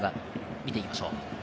見ていきましょう。